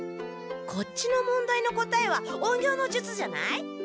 こっちの問題の答えは隠形の術じゃない？